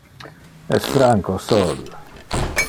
Es Franco sol.